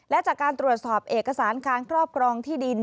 และจากการตรวจสอบเอกสารการครอบครองที่ดิน